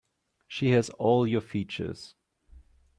She has all your features.